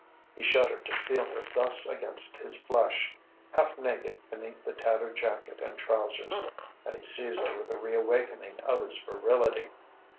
He shuddered to feel her thus against his flesh, half naked beneath the tattered jacket and trousers, and he seized her with a reawakening of his virility.